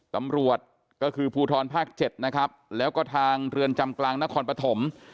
ตำรวจก็คือภูทรภาค๗นะครับแล้วก็ทางเรือนจำกลางนครปฐม